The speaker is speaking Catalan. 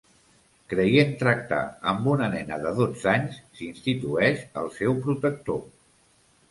Creient tractar amb una nena de dotze anys, s'institueix el seu protector.